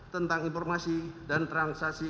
tentang informasi dan transaksi